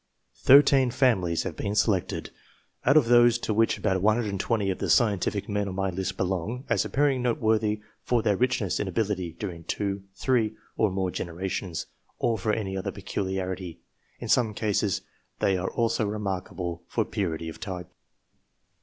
Thirteen families have been selected, out of those to which about 120 of the scientific men on my list belong, as appearing noteworthy fortheir richness in ability during two, three, or more generations, or for any other peculiarity ; in some cases they are also remarkable for purity of type.